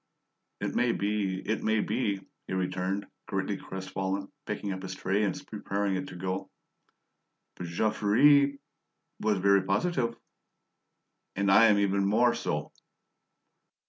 "It may be, it may be," he returned, greatly crestfallen, picking up his tray and preparing to go. "But Jean Ferret was very positive." "And I am even more so!"